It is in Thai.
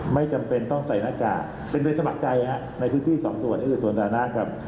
ว่าท่านมองยังไงครับ